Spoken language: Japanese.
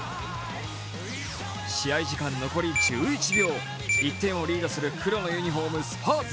試合時間残り１１秒１点をリードする黒のユニフォーム・スパーズ。